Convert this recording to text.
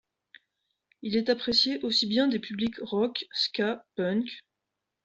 Il est apprécié aussi bien des publics rock, ska, punk...